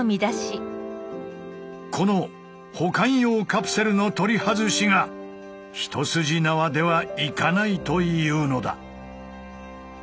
この保管用カプセルの取り外しが一筋縄ではいかないというのだ。